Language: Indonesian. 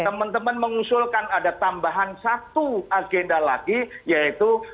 teman teman mengusulkan ada tambahan satu agenda lagi yaitu